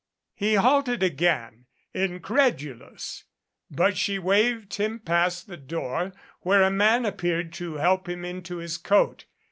He halted again incredulous, but she waved him past the door where a man appeared to help him into his coat.